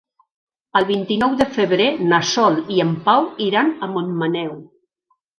El vint-i-nou de febrer na Sol i en Pau iran a Montmaneu.